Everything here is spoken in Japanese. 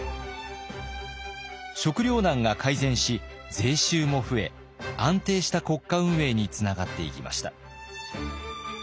食糧難が改善し税収も増え安定した国家運営につながっていきました。